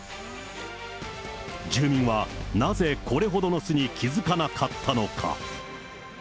住民は、なぜこれほどの巣に気付かなかったのか。